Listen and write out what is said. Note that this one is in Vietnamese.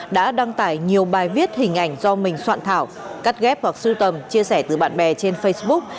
đã đăng tải nhiều bài viết hình ảnh do mình soạn thảo cắt ghép hoặc sưu tầm chia sẻ từ bạn bè trên facebook